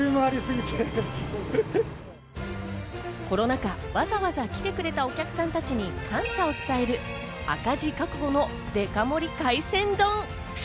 コロナ禍、わざわざ来てくれたお客さんたちに感謝を伝える、赤字覚悟のデカ盛り海鮮丼。